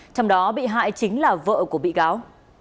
trong đó bị hại chính là vợ của bị cáo